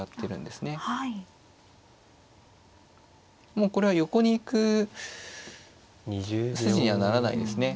もうこれは横に行く筋にはならないですね。